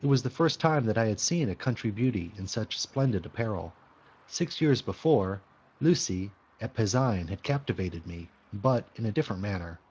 It was the first time that I had seen a country beauty in such splendid apparel. Six years before, Lucie at Pasean had captivated me, but in a different manner.